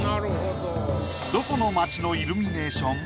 どこの街のイルミネーション？